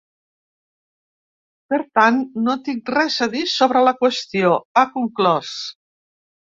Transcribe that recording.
Per tant, ‘no tinc res a dir sobre la qüestió’, ha conclòs.